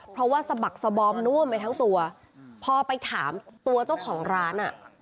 เพราะว่าสะบักสบอมน่วมไปทั้งตัวพอไปถามตัวเจ้าของร้านอ่ะ